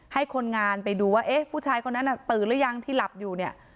ให้คนงานไปดูว่าเอ๊ะผู้ชายคนนั้นตื่นหรือยังที่หลับอยู่เนี่ย